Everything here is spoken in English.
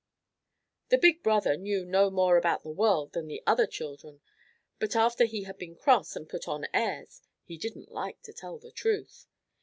The big brother knew no more about the world than the other children, but after he had been cross and put on airs he didn't like to tell the truth.